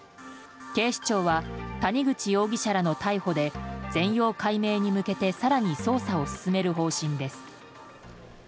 警視庁は谷口容疑者らの逮捕で全容解明に向けて更に捜査を進める方針です。